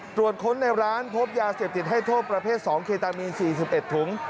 ตรวจค้นในร้านพบยาเสพติดให้โทษประเภท๒เคตามีน๔๑ถุง